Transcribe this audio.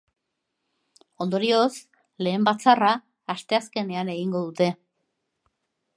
Ondorioz, lehen batzarra asteazkenean egingo dute.